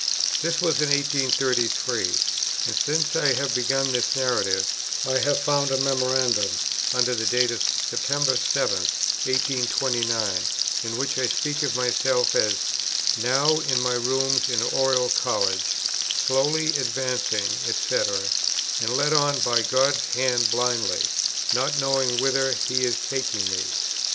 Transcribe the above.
This was in 1833; and, since I have begun this narrative, I have found a memorandum under the date of September 7, 1829, in which I speak of myself, as "now in my rooms in Oriel College, slowly advancing &c. and led on by God's hand blindly, not knowing whither He is taking me."